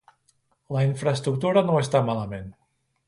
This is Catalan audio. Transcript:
La infraestructura no està malament.